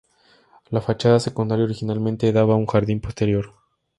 La fachada secundaria originalmente daba a un jardín posterior.